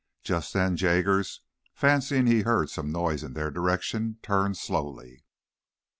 Just then, Jaggers, fancying he heard some noise in their direction, turned slowly.